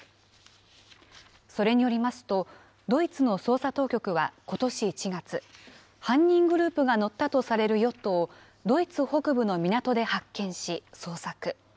それによりますと、ドイツの捜査当局はことし１月、犯人グループが乗ったとされるヨットをドイツ北部の港で発見し、捜索。